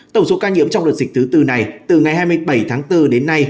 tổng số ca nhiễm trong đợt dịch thứ tư này từ ngày hai mươi bảy tháng bốn đến nay